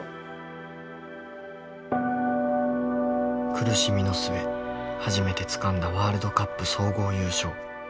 苦しみの末初めてつかんだワールドカップ総合優勝。